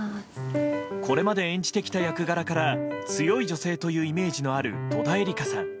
これまで演じてきた役柄から強い女性というイメージのある戸田恵梨香さん。